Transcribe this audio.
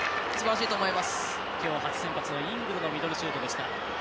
きょう初先発のイングルのシュートでした。